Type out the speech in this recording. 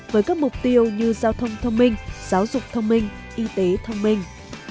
với các mục tiêu như giao thông thông minh giáo dục thông minh y tế thông minh